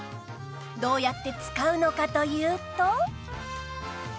どうやって使うのかというと